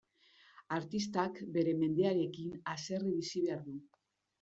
Artistak bere mendearekin haserre bizi behar du.